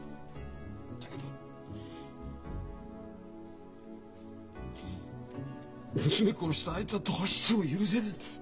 だけど娘殺したあいつはどうしても許せねえんです。